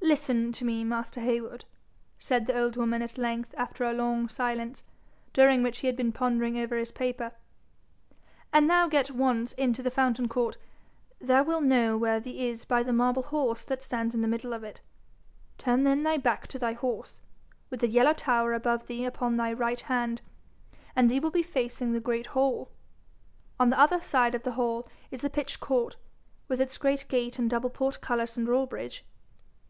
'Listen to me, Master Heywood,' said the old woman at length after a long, silence, during which he had been pondering over his paper. 'An' thou get once into the fountain court thou will know where thee is by the marble horse that stands in the middle of it. Turn then thy back to the horse, with the yellow tower above thee upon thy right hand, and thee will be facing the great hall. On the other side of the hall is the pitched court with its great gate and double portcullis and drawbridge.